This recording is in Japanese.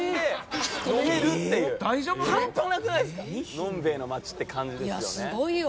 飲んべえの街って感じですよね。